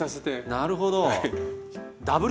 なるほど。